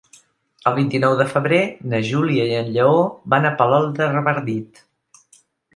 El vint-i-nou de febrer na Júlia i en Lleó van a Palol de Revardit.